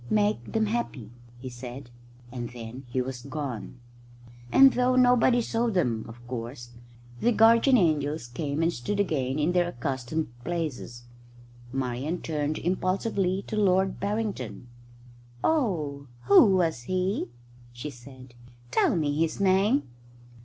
"Make them happy," he said, and then he was gone; and though nobody saw them, of course, the guardian angels came and stood again in their accustomed places. Marian turned impulsively to Lord Barrington. "Oh, who was he?" she said. "Tell me his name."